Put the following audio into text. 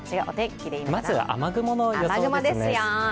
まずは雨雲の予想です。